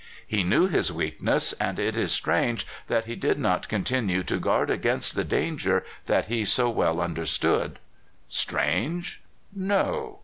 He knew his weakness, and it is strange that he did not continue to guard against the danger that he so well understood. Strange? No.